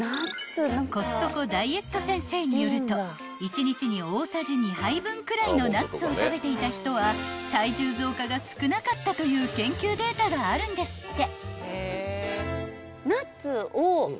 ［コストコダイエット先生によると１日に大さじ２杯分くらいのナッツを食べていた人は体重増加が少なかったという研究データがあるんですって］